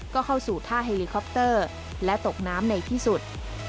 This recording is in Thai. ก็เข้าสู่ท่าเฮลิคอปเตอร์และตกน้ำในที่สุด